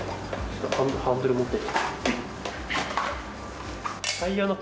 ハンドル持って。